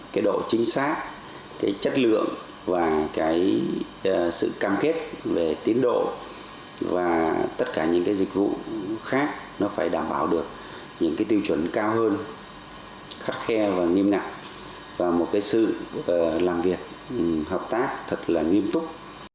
cái độ chính xác cái chất lượng và cái sự cam kết về tiến độ và tất cả những cái dịch vụ khác nó phải đảm bảo được những cái tiêu chuẩn cao hơn khắt khe và nghiêm ngặt và một cái sự làm việc hợp tác thật là nghiêm túc